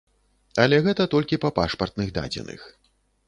Але гэта толькі па пашпартных дадзеных.